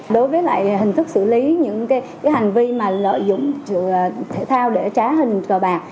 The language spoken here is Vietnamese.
đối với hình thức xử lý những hành vi lợi dụng thể thao để trá hình cờ bạc